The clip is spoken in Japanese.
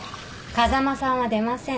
風間さんは出ません。